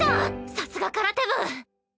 さすが空手部。